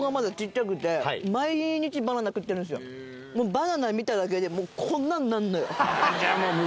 バナナ見ただけでこんなんなんのよ。